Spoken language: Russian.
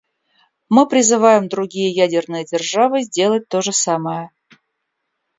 Мы призываем другие ядерные державы сделать то же самое.